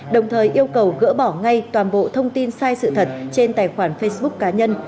đồng thời yêu cầu gỡ bỏ ngay toàn bộ thông tin sai sự thật trên tài khoản facebook cá nhân